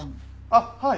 あっはい。